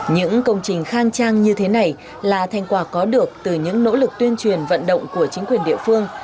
những công trình khang trang như thế này là thành quả có được từ những nỗ lực tuyên truyền vận động của chính quyền địa phương